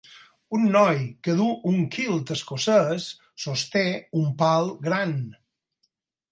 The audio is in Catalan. Un noi que du un kilt escocès sosté un pal gran.